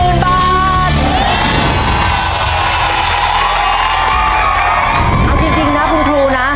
เอาจริงนะคุณครูนะ